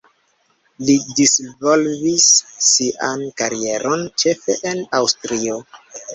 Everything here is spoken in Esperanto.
Li disvolvis sian karieron ĉefe en Aŭstrio.